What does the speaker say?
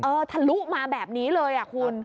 เออทะลุมาแบบนี้เลยคุณ